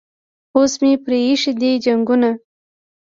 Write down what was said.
اوس مې پریښي دي جنګونه